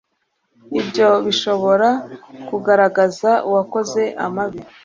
ibyo bishobora kugaragaza uwakoze amabi